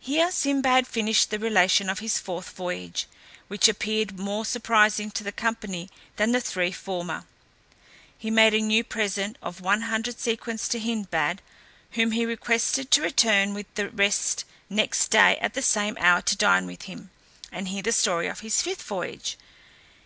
Here Sinbad finished the relation of his fourth voyage, which appeared more surprising to the company than the three former. He made a new present of one hundred sequins to Hindbad, whom he requested to return with the rest next day at the same hour to dine with him, and hear the story of his fifth voyage.